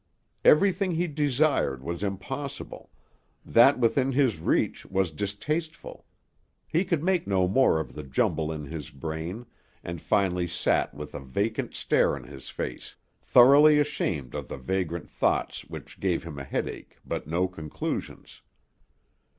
Everything he desired was impossible; that within his reach was distasteful he could make no more of the jumble in his brain, and finally sat with a vacant stare on his face, thoroughly ashamed of the vagrant thoughts which gave him a headache but no conclusions.